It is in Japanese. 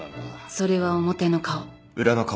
それは表の顔。